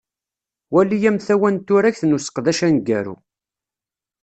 Wali amtawa n turagt n useqdac aneggaru.